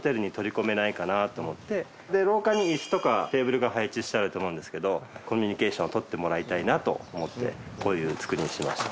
廊下に椅子とかテーブルが配置してあると思うんですけどコミュニケーションを取ってもらいたいなと思ってこういう造りにしました。